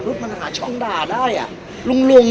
พี่อัดมาสองวันไม่มีใครรู้หรอก